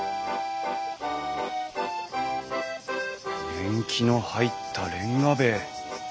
年季の入ったレンガ塀！